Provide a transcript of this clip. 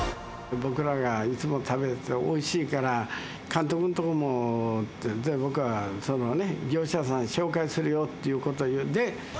僕らがいつも食べておいしいから、監督のとこもっていって、じゃあ、僕は業者さん紹介するよということで。